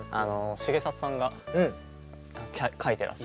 重里さんが書いてらっしゃって。